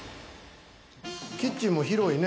キッチンも広いね。